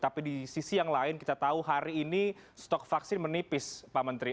tapi di sisi yang lain kita tahu hari ini stok vaksin menipis pak menteri